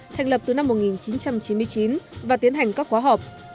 thành lập từ năm một nghìn chín trăm chín mươi chín và tiến hành các khóa học